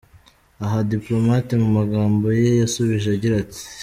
Aha, Diplomate mu magambo ye yasubije agira ati:.